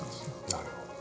なるほどね。